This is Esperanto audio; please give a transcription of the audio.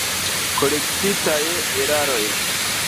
Korektitaj eraroj.